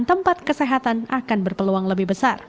tempat kesehatan akan berpeluang lebih besar